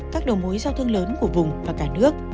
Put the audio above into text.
các đồng mối giao thông lớn của vùng và cả nước